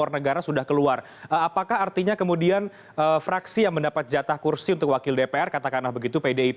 ya selamat siang reinhardt